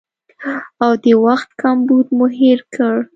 او د وخت کمبود مو هېر کړ